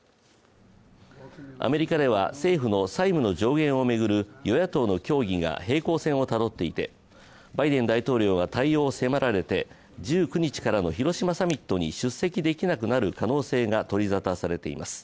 アメリカでは、政府の債務の上限を巡る与野党の協議が平行線をたどっていて、バイデン大統領が対応を迫られて１９日からの広島サミットに出席できなくなる可能性が取り沙汰されています。